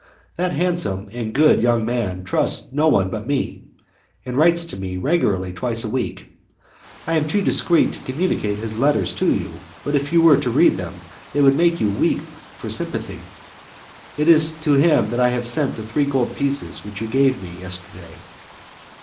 That handsome and good young man trusts no one but me, and writes to me regularly twice a week. I am too discreet to communicate his letters to you, but, if you were to read them, they would make you weep for sympathy. It is to him that I have sent the three gold pieces which you gave me yesterday."